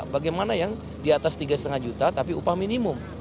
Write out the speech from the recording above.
bagaimana yang di atas tiga lima juta tapi upah minimum